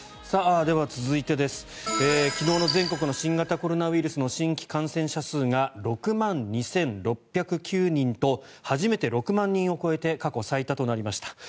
では、続いて、昨日全国の新型コロナウイルスの新規感染者数が６万２６０９人と初めて６万人を超えて過去最多となりました。